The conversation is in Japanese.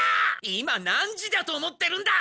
今何時だと思ってるんだ！